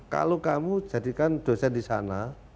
kalau kamu jadikan dosen di sana